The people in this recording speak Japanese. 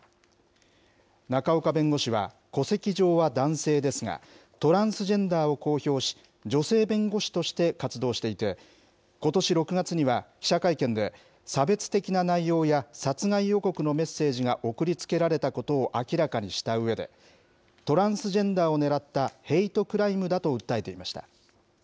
仲岡弁護士は、戸籍上は男性ですが、トランスジェンダーを公表し、女性弁護士として活動していて、ことし６月には記者会見で差別的な内容や、殺害予告のメッセージが送りつけられたことを明らかにしたうえで、トランスジェンダーを狙ったヘイトクライムだと訴えていました。